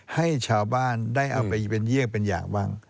ให้ชาวบ้านได้เอาไปเป็นเยี่ยงเป็นอย่างบ้าง